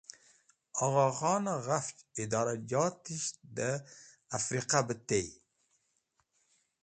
Agha khan e Ghafch Idorajotisht de Afriqa be tey.